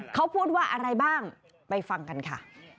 เขาพูดว่าอะไรบ้างไปฟังกันค่ะ